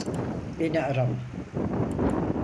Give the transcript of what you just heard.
Beni arama.